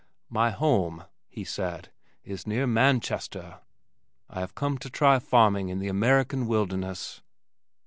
"My home," he said, "is near Manchester. I have come to try farming in the American wilderness."